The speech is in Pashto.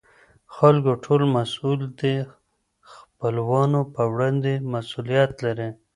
خلکو ټول مسئوول دي او دخپلوانو په وړاندې مسئولیت لري.